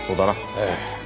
ええ。